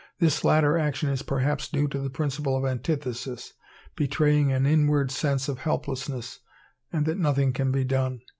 This latter action is perhaps due to the principle of antithesis, betraying an inward sense of helplessness and that nothing can be done.